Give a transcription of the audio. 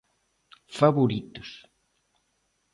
Favoritos.